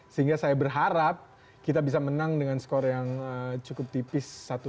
sehingga saya berharap kita bisa menang dengan skor yang cukup tipis satu